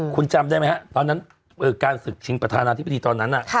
คุณจำได้ไหมฮะตอนนั้นการศึกชิงประธานาธิบดีตอนนั้น